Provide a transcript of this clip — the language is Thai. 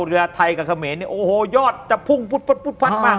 เวลาไทยกับเขมรเนี่ยโอ้โหยอดจะพุ่งปุ๊ดปุ๊ดปั๊ดปั๊ดมาก